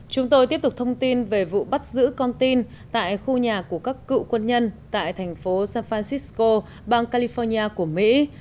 chúng tôi tiếp tục thông tin về vụ bắt giữ con tin tại khu nhà của các cựu quân nhân tại thành phố safrancisco bang california của mỹ